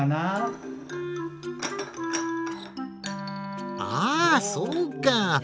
ああそうか！